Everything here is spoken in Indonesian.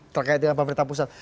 terkait dengan pemerintah pusat